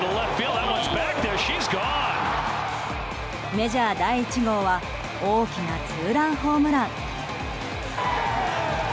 メジャー第１号は大きなツーランホームラン。